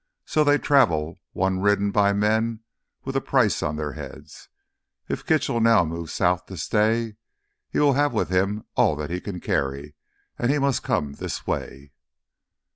So they travel one ridden by men with a price on their heads. If Kitchell now moves south to stay, he will have with him all that he can carry, and he must come this way."